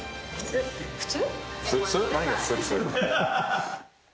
普通。